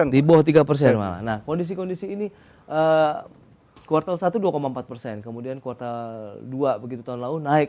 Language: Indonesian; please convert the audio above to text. di bawah tiga persen malah nah kondisi kondisi ini kuartal satu dua empat persen kemudian kuartal dua begitu tahun lalu naik